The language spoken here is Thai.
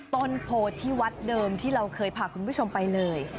ต้นโพที่วัดเดิมที่เราเคยพาคุณผู้ชมไปเลย